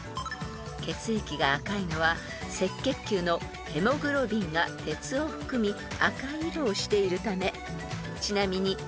［血液が赤いのは赤血球のヘモグロビンが鉄を含み赤い色をしているため］